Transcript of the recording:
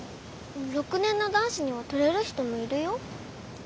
６年の男子には取れる人もいるよ。